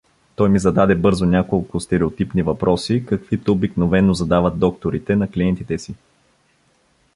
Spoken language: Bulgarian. Той ми зададе бързо няколко стереотипни въпроси, каквито обикновено задават докторите на клиентите си.